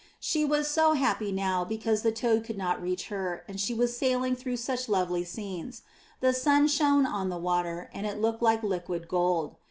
She was so happy now, because the toad could not reach her and she was sailing through such lovely scenes; the sun shone on the water and it looked like liquid gold.